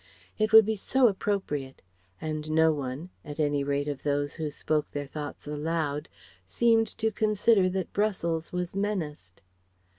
It would be so appropriate. And no one at any rate of those who spoke their thoughts aloud seemed to consider that Brussels was menaced.